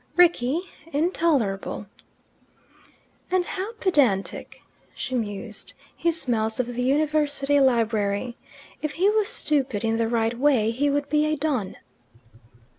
Rickie intolerable. "And how pedantic!" she mused. "He smells of the University library. If he was stupid in the right way he would be a don."